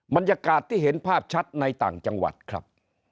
บรรยากาศที่เห็นภาพชัดในต่างจังหวัดครับ